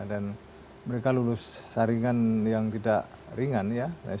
dan mereka lulus saringan yang tidak ringan ya